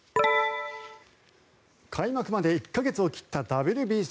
開幕まで１か月を切ったＷＢＣ。